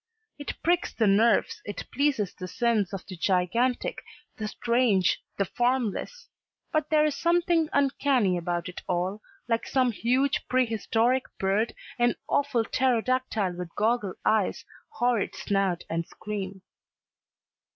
It pricks the nerves, it pleases the sense of the gigantic, the strange, the formless, but there is something uncanny about it all, like some huge, prehistoric bird, an awful Pterodactyl with goggle eyes, horrid snout and scream.